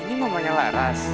ini mamanya laras